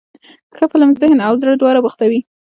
ښه فلم ذهن او زړه دواړه بوختوي.